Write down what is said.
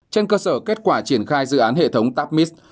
trên cơ sở kết quả triển khai dự án hệ thống tapmis